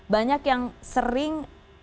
banyak yang sering